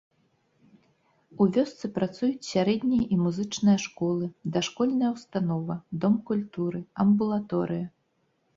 У вёсцы працуюць сярэдняя і музычная школы, дашкольная ўстанова, дом культуры, амбулаторыя.